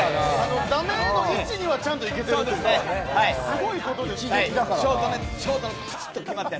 ダメの位置にはちゃんといけてるっていう。